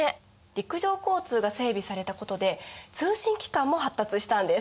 陸上交通が整備されたことで通信機関も発達したんです。